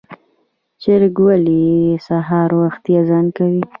چرګ ولې سهار وختي اذان کوي؟